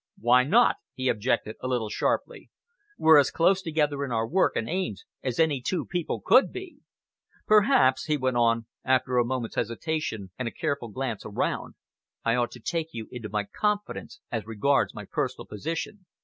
"Why not?" he objected, a little sharply. "We're as close together in our work and aims as any two people could be. Perhaps," he went on, after a moment's hesitation and a careful glance around, "I ought to take you into my confidence as regards my personal position."